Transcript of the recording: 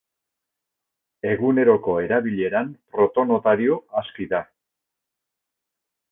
Eguneroko erabileran protonotario aski da.